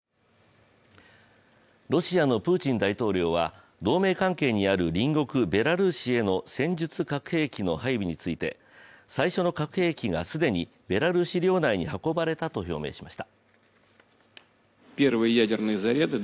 ロシアのプーチン大統領は同盟関係にある隣国ベラルーシへの戦術核兵器の配備について最初の核兵器が既にベラルーシ領内に運ばれたと表明しました。